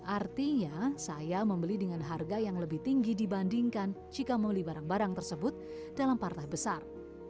artinya saya membeli dengan harga yang lebih tinggi dibandingkan jika membeli barang barang tersebut dalam partai besar